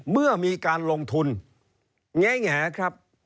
เมื่อมีการลงทุนแงครับ